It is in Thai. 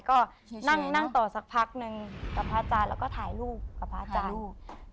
ก็นั่งต่อสักพักนึงกับพระอาจารย์แล้วก็ถ่ายรูปกับพระอาจารย์รูป